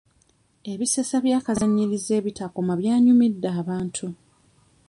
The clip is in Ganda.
Ebisesa bya kazannyiikirizi ebitakoma byanyumidde abantu.